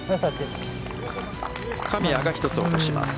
神谷が１つ落とします。